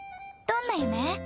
どんな夢？